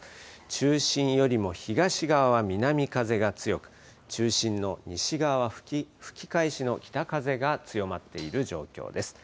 中心よりも東側、南風が強く中心の西側吹き返しの北風が強まっている状況です。